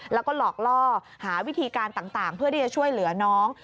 แล้วก็หลอกล่อหาวิธีการต่างเพื่อที่จะช่วยเหลือน้อง